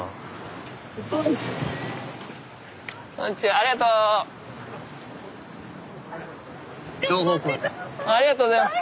ありがとうございます。